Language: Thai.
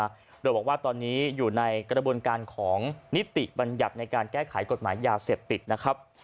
โดยบอกว่าตอนนี้อยู่ในกระบวนการของนิติบัญญัติในการแก้ไขกฎหมายยาเสพติดนะครับ